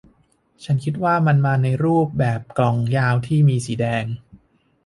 ฉันคิดว่ามันมาในรูปแบบกล่องยาวที่มีสีแดง